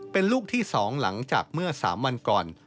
เป็นลูกที่๒หลังจากเมื่อ๓วันก่อน